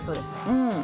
うん。